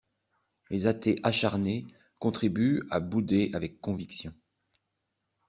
Les athées acharnés contribuent à bouder avec conviction.